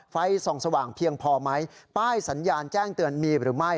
ไฟส่องสว่างเพียงพอไหมป้ายสัญญาณแจ้งเตือนมีหรือไม่